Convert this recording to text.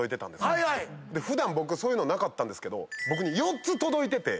普段僕そういうのないんですけど４つ届いてて。